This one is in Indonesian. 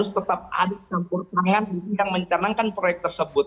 yang harus tetap ada campur tangan yang mencernangkan proyek tersebut